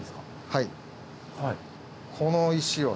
はい。